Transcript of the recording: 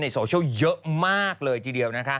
ในโซเชียลเยอะมากเลยทีเดียว